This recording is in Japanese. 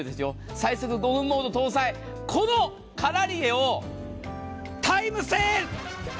最速５分モード搭載、このカラリエをタイムセール。